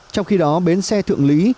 trong khi đó bến xe thượng lý